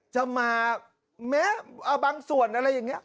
จะมาแม้บางส่วนอะไรอย่างนี้